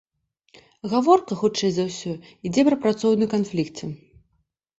Гаворка, хутчэй за ўсё, ідзе пра працоўны канфлікце.